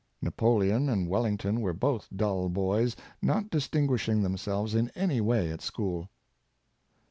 Napoleon and Welling ton were both dull boys not distinguishing themselves in any way at school.